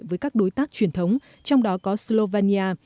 với các đối tác truyền thống trong đó có slovenia